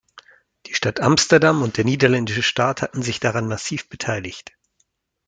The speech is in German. Die Stadt Amsterdam und der niederländische Staat hatten sich daran massiv beteiligt.